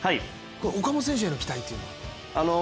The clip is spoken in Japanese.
岡本選手への期待というのは？